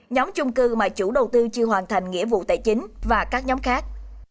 nhóm trung cư mà chủ đầu tư chưa hoàn thành nghĩa vụ tài chính và các nhóm khác